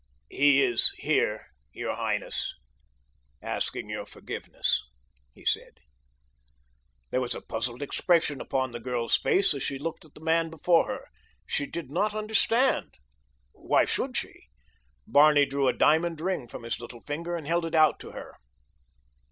"He is here, your highness, asking your forgiveness," he said. There was a puzzled expression upon the girl's face as she looked at the man before her. She did not understand. Why should she? Barney drew a diamond ring from his little finger and held it out to her.